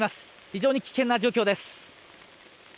非常に危険な状況です。